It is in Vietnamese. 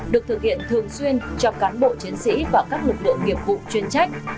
được thực hiện thường xuyên cho cán bộ chiến sĩ và các lực lượng nghiệp vụ chuyên trách